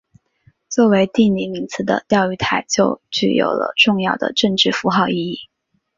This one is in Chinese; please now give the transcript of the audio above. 作为地理名词的钓鱼台就具有了重要的政治符号意义。